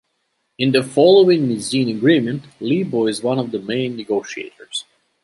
In the following Misène agreement, Libo is one of the main negotiators.